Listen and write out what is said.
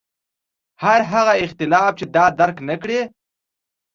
هر هغه اختلاف چې دا درک نکړي.